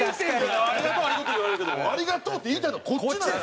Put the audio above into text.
「ありがとうありがとう」言われるけど「ありがとう」って言いたいのはこっちなんですよ。